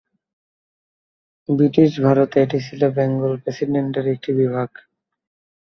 British ভারতে এটি ছিল বেঙ্গল প্রেসিডেন্সির একটি বিভাগ।